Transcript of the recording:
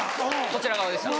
こちら側でした。